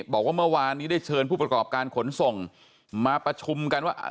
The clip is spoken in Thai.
บอกว่าเมื่อวานนี้ได้เชิญผู้ประกอบการขนส่งมาประชุมกันว่า